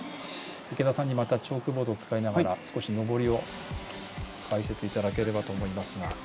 池田さんに、またチョークボードを使いながら少し登りを解説いただければと思いますが。